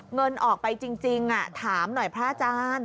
เงินออกไปจริงถามหน่อยพระอาจารย์